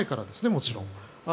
もちろん。